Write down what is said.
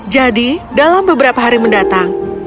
jadi dalam beberapa hari mendatang